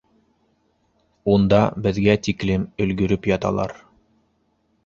Унда беҙгә тиклем өлгөрөп яталар.